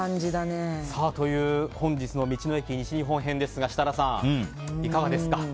本日の道の駅西日本編ですが設楽さん、いかがですか？